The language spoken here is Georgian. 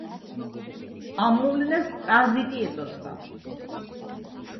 ამ მოვლენას ტრანზიტი ეწოდება.